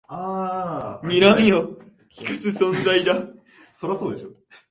にらみをきかす存在だ